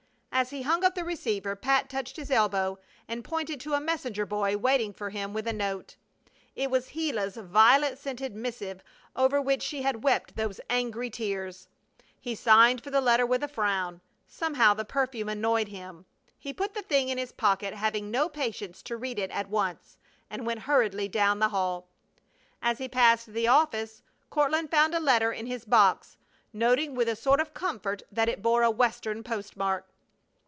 As he hung up the receiver Pat touched his elbow and pointed to a messenger boy waiting for him with a note. It was Gila's violet scented missive over which she had wept those angry tears. He signed for the letter with a frown. Somehow the perfume annoyed him. He put the thing in his pocket, having no patience to read it at once, and went hurriedly down the hall. As he passed the office Courtland found a letter in his box, noting with a sort of comfort that it bore a Western postmark.